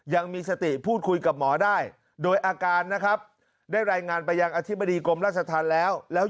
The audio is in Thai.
ยังมีสติพูดคุยกับหมอได้โดยอาการนะครับได้รายงานไปยังอธิบดีกรมราชธรรมแล้วแล้ว